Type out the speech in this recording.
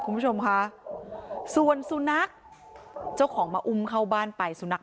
คุณผู้ชมค่ะส่วนสุนัขเจ้าของมาอุ้มเข้าบ้านไปสุนัข